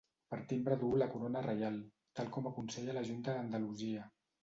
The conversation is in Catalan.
Per timbre duu la corona reial, tal com aconsella la Junta d'Andalusia.